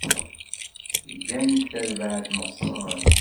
Gan-d tarbaɛt meqqren.